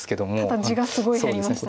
ただ地がすごい減りましたね。